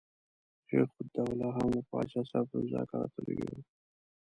شجاع الدوله هم له پاچا سره په مذاکراتو لګیا وو.